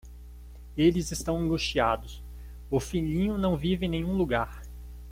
Eles estão angustiados, o filhinho não vive em nenhum lugar.